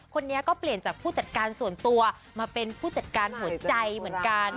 คนนี้ก็เปลี่ยนจากผู้จัดการส่วนตัวมาเป็นผู้จัดการหัวใจเหมือนกัน